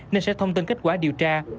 nên sẽ thông tin kết quả điều tra